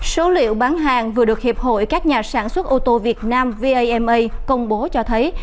số liệu bán hàng vừa được hiệp hội các nhà sản xuất ô tô việt nam vama công bố cho thấy